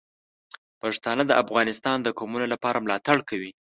پښتانه د افغانستان د قومونو لپاره ملاتړ کوي.